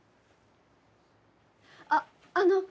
あっあの。